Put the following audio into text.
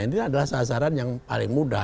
ini adalah sasaran yang paling mudah